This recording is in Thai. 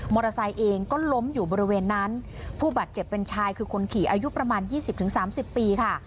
มอเตอร์ไซค์เองก็ล้มอยู่บริเวณนั้นผู้บัดเจ็บเป็นชายคือคนขี่อายุประมาณ๒๐๓๐ปีค่ะ